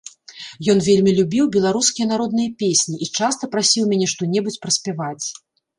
Ён вельмі любіў беларускія народныя песні і часта прасіў мяне што-небудзь праспяваць.